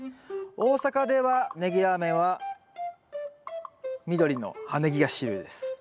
大阪ではネギラーメンは緑の葉ネギが主流です。